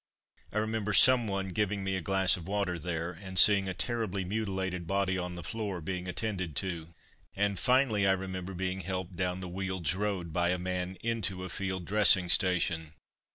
I remember some one giving me a glass of water there, and seeing a terribly mutilated body on the floor being attended to. And, finally, I remember being helped down the Wieltj road by a man into a field dressing station.